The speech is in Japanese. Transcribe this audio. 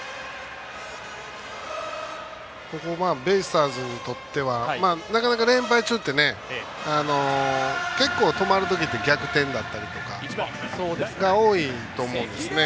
ここベイスターズにとってはなかなか、連敗中って結構、止まる時って逆転だったりとかが多いと思うんですね。